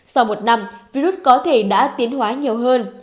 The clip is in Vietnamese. sau một năm virus có thể đã tiến hóa nhiều hơn